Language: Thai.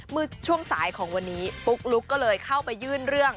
เมื่อช่วงสายของวันนี้ปุ๊กลุ๊กก็เลยเข้าไปยื่นเรื่อง